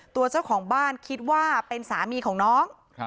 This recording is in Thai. ตัวเจ้าของบ้านคิดว่าเป็นสามีของน้อง